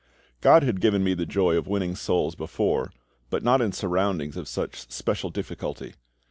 GOD had given me the joy of winning souls before, but not in surroundings of such special difficulty.